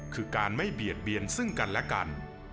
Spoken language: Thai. คือการไม่เบียดเบียนซึ่งกันและกัน